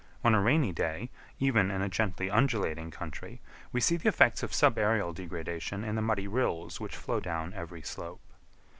On a rainy day, even in a gently undulating country, we see the effects of subaërial degradation in the muddy rills which flow down every slope.